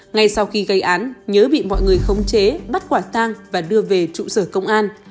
ngay sau khi gây án nhớ bị mọi người khống chế bắt quả tang và đưa về trụ sở công an